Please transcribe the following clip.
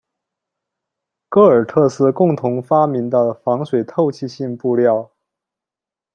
戈尔特斯共同发明的防水透气性布料。